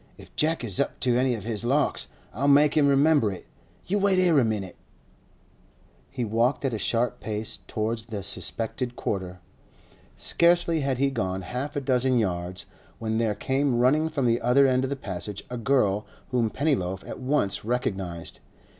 If Jeck is up to any of his larks, I'll make him remember it. You wait here a minute!' He walked at a sharp pace towards the suspected quarter. Scarcely had he gone half a dozen yards, when there came running from the other end of the Passage a girl whom Pennyloaf at once recognised.